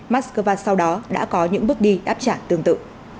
moscow sau đó đã có những bước đi đáp trả tương tự